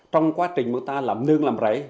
trong quá trình chúng ta làm nương làm rảy